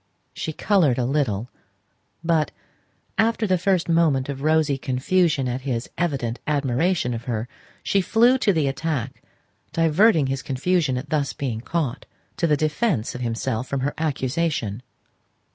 She coloured a little; but, after the first moment of rosy confusion at his evident admiration of her, she flew to the attack, diverting his confusion at thus being caught, to the defence of himself from her accusation.